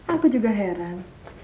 aku juga heran